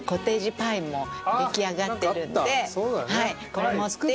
これ持ってきて。